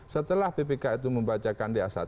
setelah bpk membacakan db satu